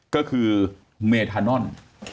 ก็คือเมธานอน